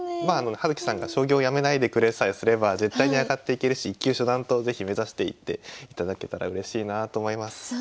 まあ葉月さんが将棋をやめないでくれさえすれば絶対に上がっていけるし１級初段と是非目指していっていただけたらうれしいなと思います。